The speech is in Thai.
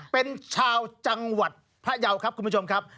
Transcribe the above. เป็นชาวจังหวัดพยาวครับคุณผู้ชมครับ